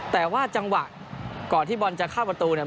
แต่ว่าจังหวะก่อนที่บอลจะเข้าประตูเนี่ย